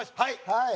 はい！